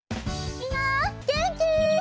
みんなげんき？